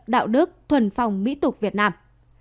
đạo đức thuần phong mỹ tục việt nam